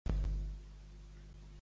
Callar i menjar morena.